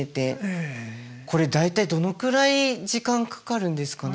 これ大体どのくらい時間かかるんですかね